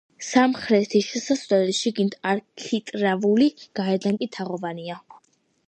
სამხრეთი შესასვლელი შიგნით არქიტრავული, გარედან კი თაღოვანია.